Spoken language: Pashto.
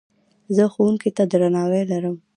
زه ښوونکي ته درناوی لرم.